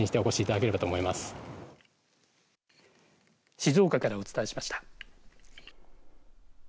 静岡からお伝えしました。